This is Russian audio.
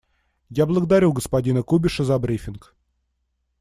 Я благодарю господина Кубиша за брифинг.